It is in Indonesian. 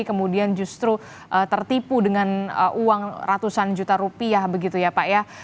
kemudian justru tertipu dengan uang ratusan juta rupiah begitu ya pak ya